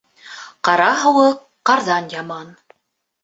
Ҡара һыуыҡ ҡарҙан яман